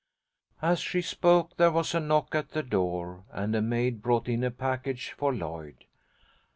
As she spoke there was a knock at the door, and a maid brought in a package for Lloyd.